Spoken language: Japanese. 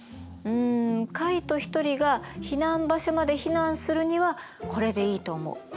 うんカイト一人が避難場所まで避難するにはこれでいいと思う。